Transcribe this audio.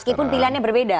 meskipun pilihannya berbeda